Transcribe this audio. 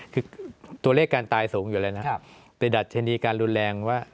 คือตัวเลขการตายสูงอยู่แล้วนะแต่ดัชนีการรุนแรงว่า